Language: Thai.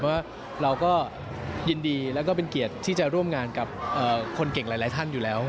เพราะว่าเราก็ยินดีแล้วก็เป็นเกียรติที่จะร่วมงานกับคนเก่งหลายท่านอยู่แล้ว